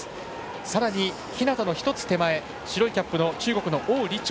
さらに日向の１つ手前白キャップの中国の王李超。